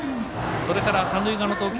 それから三塁側の投球